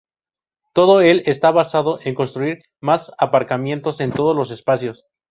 todo él está basado en construir más aparcamientos en todos los espacios